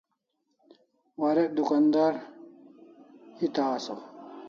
Warek dukandar era asaw